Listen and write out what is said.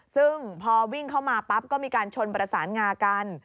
ซึ่งพอวิ่งเข้ามาปั๊บก็มีการชนประสานงากัน